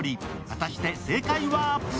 果たして正解は？